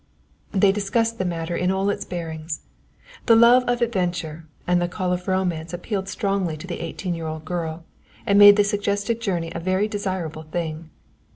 They discussed the matter in all its bearings. The love of adventure and the call of romance appealed strongly to the eighteen year old girl, and made the suggested journey a very desirable thing.